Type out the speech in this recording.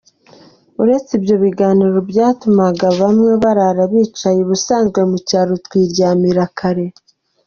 Uretse ibyo biganiro byatumaga bamwe barara bicaye, ubusanzwe mu cyaro twiryamiraga kare.